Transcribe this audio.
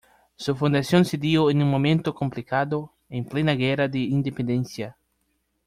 Su fundación se dio en un momento complicado, en plena guerra de independencia.